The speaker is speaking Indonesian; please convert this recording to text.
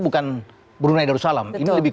bukan brunei darussalam